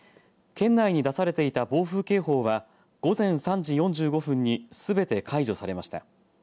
県内に出されていた暴風警報は午前３時４５分にすべて解除されました。